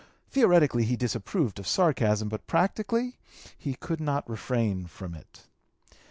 Theoretically he disapproved of sarcasm, but practically he could not refrain from it.